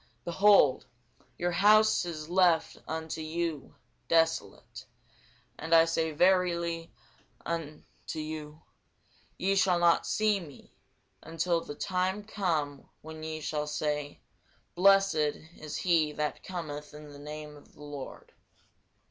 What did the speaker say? Behold, your house is left unto you desolate: and verily I say unto you, Ye shall not see me, until the time come when ye shall say, Blessed is he that cometh in the name of the Lord.